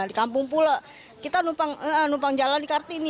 di kampung pula kita numpang jalan di kartini